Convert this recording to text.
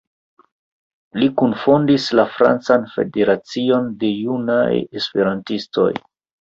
Li kunfondis la Francan Federacion de Junaj Esperantistoj.